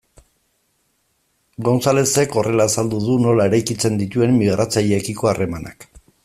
Gonzalezek horrela azaldu du nola eraikitzen dituen migratzaileekiko harremanak.